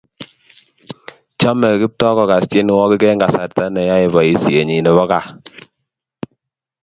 chomei Kiptoo kokas tienwogik eng kasarta neyoei boisienyin nebo kaa